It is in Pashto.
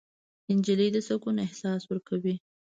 نجلۍ د سکون احساس ورکوي.